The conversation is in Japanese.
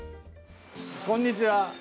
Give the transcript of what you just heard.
こんにちは。